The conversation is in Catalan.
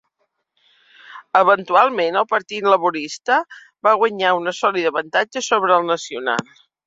Eventualment, el Partit Laborista va guanyar una sòlida avantatja sobre el Nacional.